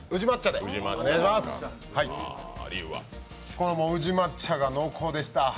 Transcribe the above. この宇治抹茶が濃厚でした。